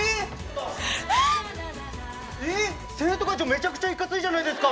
めちゃくちゃいかついじゃないですか。